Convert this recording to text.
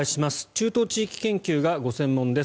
中東地域研究がご専門です。